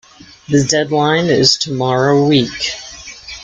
The deadline is tomorrow week